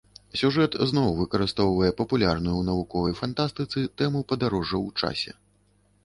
Сюжэт зноў выкарыстоўвае папулярную ў навуковай фантастыцы тэму падарожжаў у часе.